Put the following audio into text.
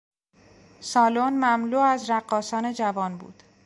سالن مملو از رقاصان جوان بود.